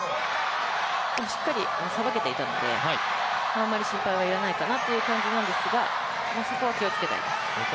しっかりさばけていたのでここはあまり心配は要らないかなという感じなんですが、そこは気をつけたいです。